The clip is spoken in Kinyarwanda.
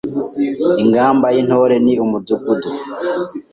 Ingamba y’Intore ni Umudugudu